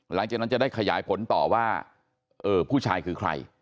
หลังจากนั้นจะได้ขยายผลต่อว่าผู้ชายคือใคร